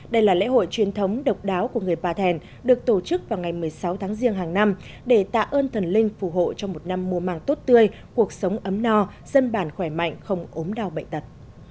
đây là lễ hội truyền thống độc đáo của người pa thèn được tổ chức vào ngày một mươi sáu tháng riêng hàng năm để tạ ơn thần linh phù hộ cho một năm mùa màng tốt tươi cuộc sống ấm no dân bản khỏe mạnh không ốm đau bệnh tật